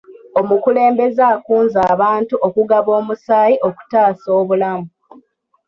Omukulembeze akunze abantu okugaba omusaayi okutaasa obulamu.